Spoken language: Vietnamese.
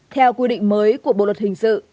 theo quy định mới của bộ luật hình dự